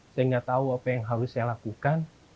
saya nggak tahu apa yang harus saya lakukan